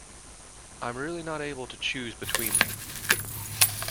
I'm really not able to choose between them.